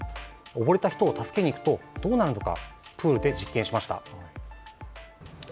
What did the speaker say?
溺れた人を助けに行くとどうなるのかプールで実験しました。